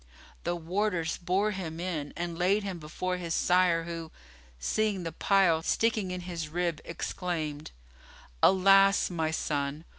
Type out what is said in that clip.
The warders bore him in and laid him before his sire who, seeing the pile sticking in his rib exclaimed, "Alas, my son!